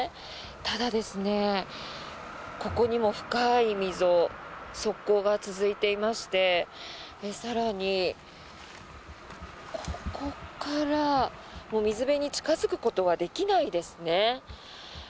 ただ、ここにも深い溝側溝が続いていまして更にここから水辺に近付くことはできないですね。